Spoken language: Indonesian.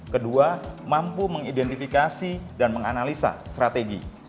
kedua mampu mengidentifikasi dan menganalisa strategi